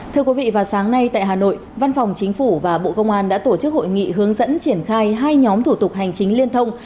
thưa quý vị vào sáng nay tại hà nội văn phòng chính phủ và bộ công an đã tổ chức hội nghị hướng dẫn triển khai hai nhóm thủ tục hành chính liên thông